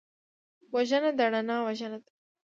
وژنه د رڼا وژنه ده